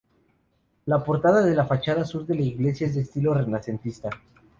La portada de la fachada sur de la iglesia es de estilo renacentista.